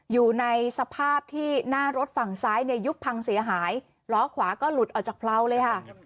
อยู่ในสภาพที่หน้ารถฝั่งซ้ายเนี่ยยุบพังเสียหายล้อขวาก็หลุดออกจากเพราเลยค่ะ